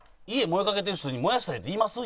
燃えかけてる人に燃やしたれって言います？